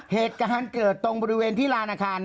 เหตุการณ์เกิดตรงบริเวณที่ลานอาคาร